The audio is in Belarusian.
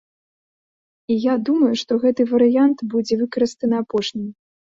І я думаю, што гэты варыянт будзе выкарыстаны апошнім.